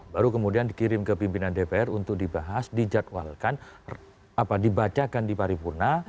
baru kemudian dikirim ke pimpinan dpr untuk dibahas dijadwalkan dibacakan di paripurna